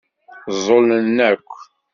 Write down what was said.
Ẓẓulen akk.